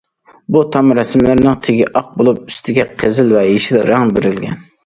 بۇ تام رەسىملىرىنىڭ تېگى ئاق بولۇپ، ئۈستىگە قىزىل ۋە يېشىل رەڭ بېرىلگەن.